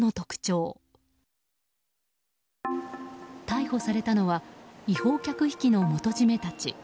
逮捕されたのは違法客引きの元締めたち。